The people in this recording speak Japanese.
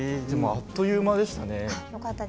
あっという間でしたね。